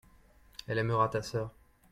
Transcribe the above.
elle aimera ta sœur.